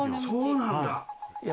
そうなんだ！